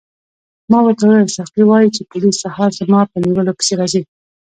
ما ورته وویل ساقي وایي چې پولیس سهار زما په نیولو پسې راځي.